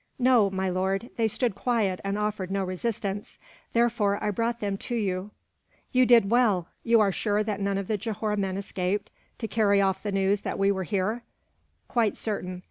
"No, my lord. They stood quiet, and offered no resistance, therefore I brought them to you." "You did well. You are sure that none of the Johore men escaped, to carry off the news that we were here?" "Quite certain.